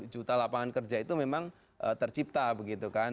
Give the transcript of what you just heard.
lima juta lapangan kerja itu memang tercipta begitu kan